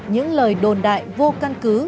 những lời đồn đại vô căn cứ